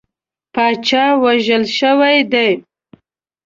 پاچا وژل شوی دی.